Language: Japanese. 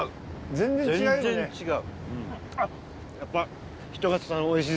全然違う。